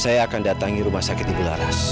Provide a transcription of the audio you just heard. saya akan datangi rumah sakit ibu laras